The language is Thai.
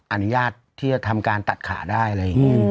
อนุญาตที่จะทำการตัดขาได้อะไรอย่างนี้